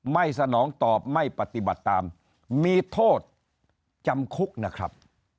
สนองตอบไม่ปฏิบัติตามมีโทษจำคุกนะครับ